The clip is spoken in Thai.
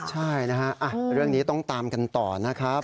ใช่นะฮะเรื่องนี้ต้องตามกันต่อนะครับ